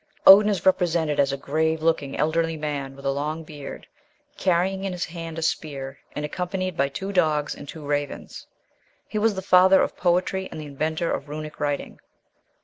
Odin is represented as a grave looking elderly man with a long beard, carrying in his hand a spear, and accompanied by two dogs and two ravens. He was the father of poetry, and the inventor of Runic writing.